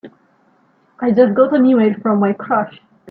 I just got an e-mail from my crush!